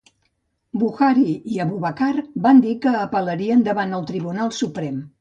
Buhari i Abubakar van dir que apel·larien davant el Tribunal Suprem.